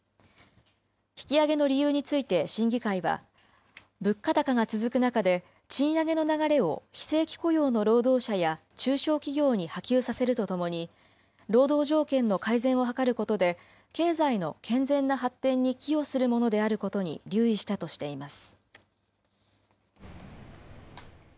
引き上げの理由について審議会は、物価高が続く中で、賃上げの流れを非正規雇用の労働者や中小企業に波及させるとともに、労働条件の改善を図ることで、経済の健全な発展に寄与するものであることに留意したとしています。